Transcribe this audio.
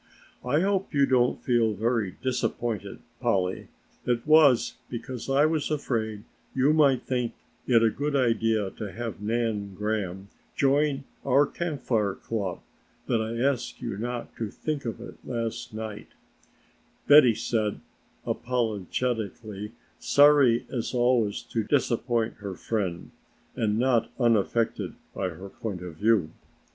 "I hope you don't feel very disappointed, Polly, it was because I was afraid you might think it a good idea to have Nan Graham join our Camp Fire club that I asked you not to think of it last night," Betty said, apologetically, sorry as always to disappoint her friend and not unaffected by her point of view.